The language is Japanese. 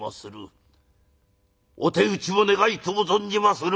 お手討ちを願いとう存じまする」。